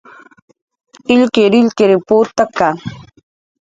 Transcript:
illkirilkir putaka